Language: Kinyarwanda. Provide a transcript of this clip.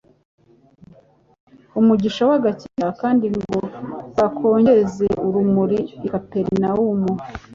umugisha w’agakiza, kandi ngo bakongeze urumuri i Kaperinawumu,